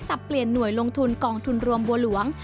เปลี่ยนหน่วยลงทุนกองทุนรวมบัวหลวง